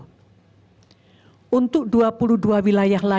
kementerian kominfo memanfaatkan